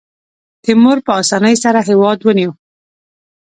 تیمور په اسانۍ سره هېواد ونیو.